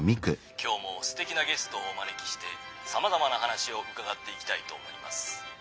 今日もすてきなゲストをお招きしてさまざまな話を伺っていきたいと思います。